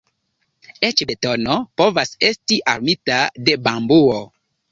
Eĉ betono povas esti armita de bambuo.